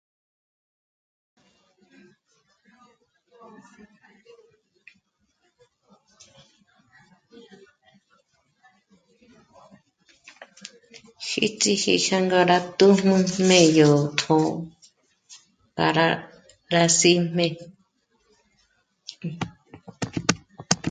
Jích'iji rí xára tū̀jmū m'é'e yó k'o pára rá sí'me